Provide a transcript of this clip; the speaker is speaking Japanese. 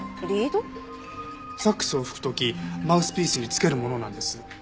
サックスを吹く時マウスピースにつけるものなんです。